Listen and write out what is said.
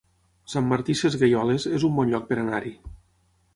Sant Martí Sesgueioles es un bon lloc per anar-hi